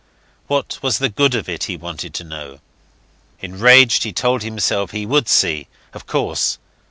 What was the good of it, he wanted to know. Enraged, he told himself he would see of course.